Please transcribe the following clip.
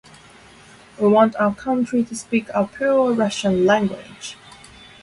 We want our country to speak our pure Russian language.